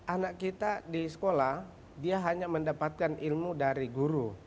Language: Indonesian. anak kita di sekolah dia hanya mendapatkan ilmu dari guru